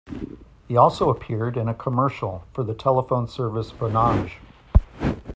He also appeared in a commercial for the telephone service Vonage.